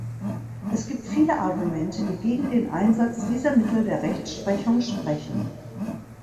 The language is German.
Es gibt viele Argumente, die gegen den Einsatz dieser Mittel der Rechtsprechung sprechen.